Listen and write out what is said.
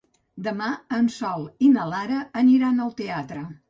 Demà en Sol i na Lara aniran al teatre.